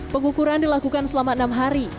pengukuran dilakukan selama enam hari